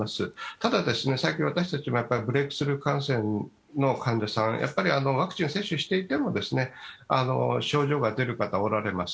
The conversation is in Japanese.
ただ、最近私たちもブレークスルー感染の患者さん、ワクチンを接種していても症状が出る方はおられます。